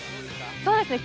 そうですね。